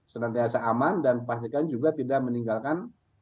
secara terasa aman dan pastikan juga tidak meninggalkan